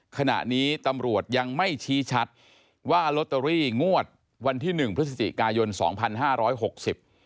ขณะนี้ตำรวจยังไม่ชี้ชัดว่าลอตเตอรี่งวดวันที่หนึ่งพฤศจิกายนสองพันห้าร้อยหกสิบ